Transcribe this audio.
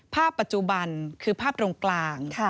ภาพปัจจุบันคือภาพตรงกลาง